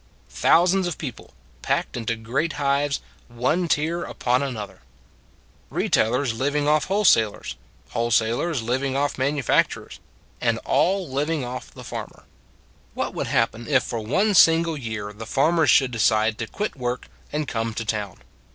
Thousands of people packed into great hives, one tier above another Retailers living off wholesalers; whole salers living off manufacturers : and all liv ing off the farmer. iS3 154 It s a Good Old World What would happen if for one single year the farmers should decide to quit work and come to town?